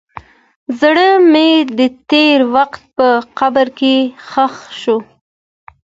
زړه مې د تېر وخت په قبر کې ښخ شو.